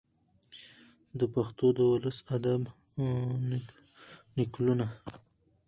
د پښتو د ولسي ادب نکلونه،